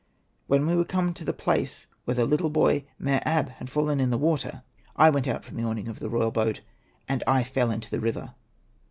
When we were come to the place where the little boy Mer ab had fallen in the water, I went out from the awning of the royal boat, and I fell into the river.